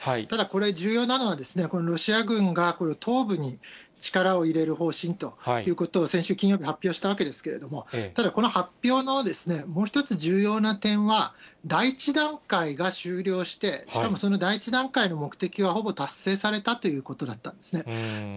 ただ、これ重要なのは、ロシア軍が東部に力を入れる方針ということを、先週金曜日発表したわけですけれども、ただこの発表のもう一つ重要な点は、第１段階が終了して、しかもその第１段階の目的はほぼ達成されたということだったんですね。